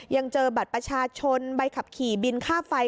ยังเจอบัตรประชาชนใบขับขี่บินค่าไฟ